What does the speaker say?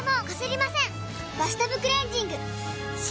「バスタブクレンジング」！